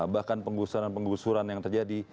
bahkan penggusuran penggusuran yang terjadi